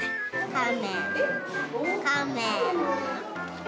カメ。